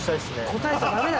答えちゃダメだ。